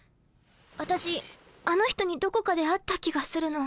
私あの人にどこかで会った気がするの。